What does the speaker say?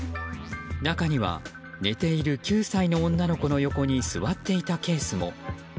中には寝ている９歳の女の子の横に座っていたケースも。